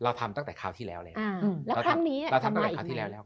เราทำตั้งแต่คราวที่แล้วแล้ว